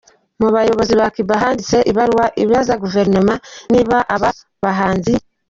mu bayobozi ba Cuba banditse ibaruwa ibaza Guverinoma niba aba bahanzi.